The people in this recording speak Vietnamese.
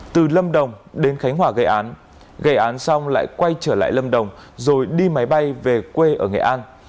từ lâm đồng đến khánh hòa gây án gây án xong lại quay trở lại lâm đồng rồi đi máy bay về quê ở nghệ an